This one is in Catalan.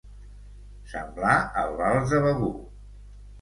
Semblar el vals de Begur.